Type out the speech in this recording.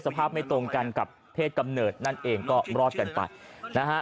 สภาพไม่ตรงกันกับเพศกำเนิดนั่นเองก็รอดกันไปนะฮะ